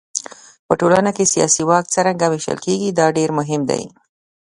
په ټولنه کې سیاسي واک څرنګه وېشل کېږي دا ډېر مهم دی.